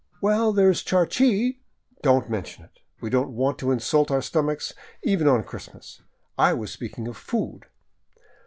" Well, there is charqui —"" Don't mention it. We don't want to insult our stomachs, even on Christmas. I was speaking of food."